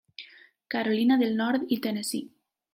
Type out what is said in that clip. Carolina del Nord i Tennessee.